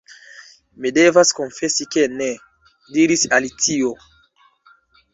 "Mi devas konfesi ke ne," diris Alicio.